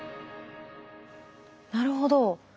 なるほど。